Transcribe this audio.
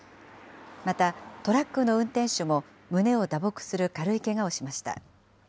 またトラックの運転手も胸を打撲する軽いけがをしました。